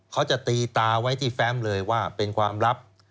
เขาจะตีตาไว้ที่แฟมเลยว่าเป็นความลับ